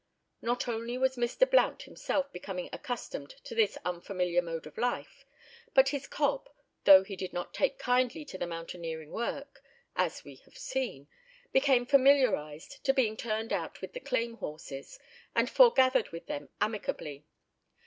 Not only was Mr. Blount himself becoming accustomed to this unfamiliar mode of life, but his cob, though he did not take kindly to the mountaineering work, as we have seen, became familiarised to being turned out with the claim horses and foregathered with them amicably.